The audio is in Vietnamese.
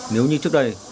nếu như trước đây